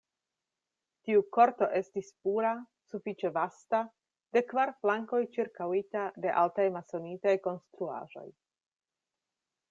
Tiu korto estis pura, sufiĉe vasta, de kvar flankoj ĉirkaŭita de altaj masonitaj konstruaĵoj.